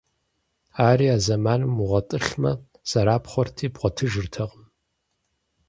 Ари и зэманым умыгъэтӀылъмэ, зэрапхъуэрти бгъуэтыжыртэкъым.